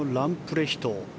レヒト